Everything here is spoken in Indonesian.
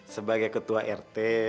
sebagai ketua rt